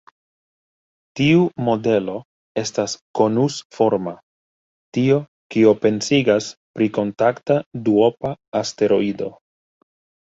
Tiu modelo estas konusforma, tio, kio pensigas pri kontakta duopa asteroido.